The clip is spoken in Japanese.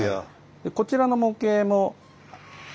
こちらの模型も。